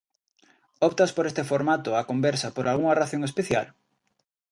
Optas por ese formato, a conversa, por algunha razón especial?